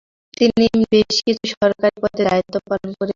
তিনি বেশ কিছু সরকারি পদে দায়িত্বপালন করেছেন।